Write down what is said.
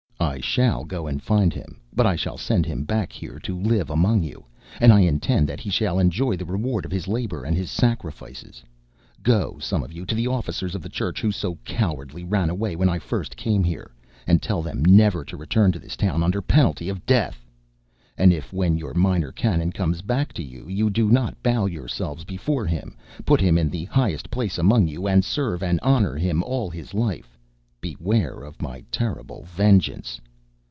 I shall go and find him, but I shall send him back here to live among you, and I intend that he shall enjoy the reward of his labor and his sacrifices. Go, some of you, to the officers of the church, who so cowardly ran away when I first came here, and tell them never to return to this town under penalty of death. And if, when your Minor Canon comes back to you, you do not bow yourselves before him, put him in the highest place among you, and serve and honor him all his life, beware of my terrible vengeance!